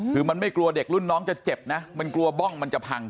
คือมันไม่กลัวเด็กรุ่นน้องจะเจ็บนะมันกลัวบ้องมันจะพัง